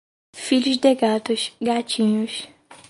Filhos de gatos, gatinhos.